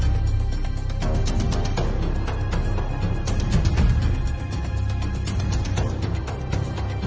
สุดท้ายสุดท้ายสุดท้ายสุดท้าย